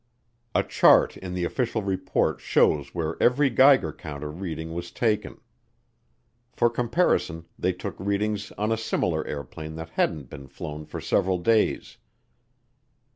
A chart in the official report shows where every Geiger counter reading was taken. For comparison they took readings on a similar airplane that hadn't been flown for several days.